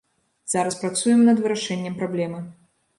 Зараз працуем над вырашэннем праблемы.